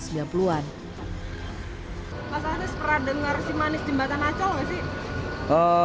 mas anis pernah dengar si manis jembatan ancol gak sih